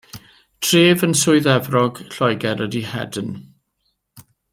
Tref yn Swydd Efrog, Lloegr ydy Hedon.